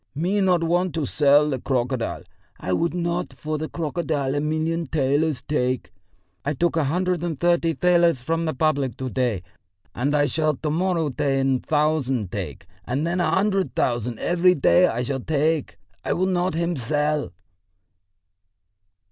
"Me not want to sell the crocodile! I would not for the crocodile a million thalers take. I took a hundred and thirty thalers from the public to day, and I shall to morrow ten thousand take, and then a hundred thousand every day I shall take. I will not him sell."